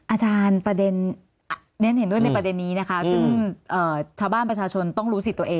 อาจารย์ประเด็นเรียนเห็นด้วยในประเด็นนี้นะคะซึ่งชาวบ้านประชาชนต้องรู้สิทธิ์ตัวเอง